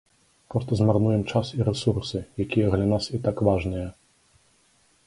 Проста змарнуем час і рэсурсы, якія для нас і так важныя.